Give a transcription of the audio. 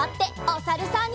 おさるさん。